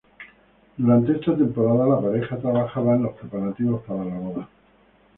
Durante esta temporada la pareja trabaja en los preparativos para la boda.